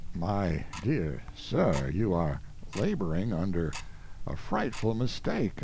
"My dear sir, you are laboring under a frightful mistake.